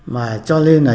mà cho nên là